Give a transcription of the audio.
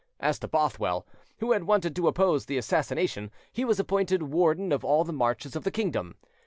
As to Bothwell, who had wanted to oppose the assassination, he was appointed Warden of all the Marches of the Kingdom.